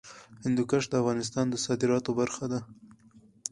هندوکش د افغانستان د صادراتو برخه ده.